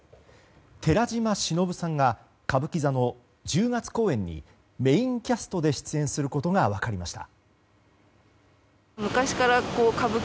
寺島しのぶさんが歌舞伎座の１０月公演にメインキャストで出演することが分かりました。